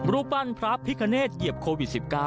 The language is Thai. รูปปั้นพระพิคเนตเหยียบโควิด๑๙